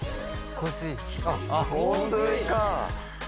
香水か！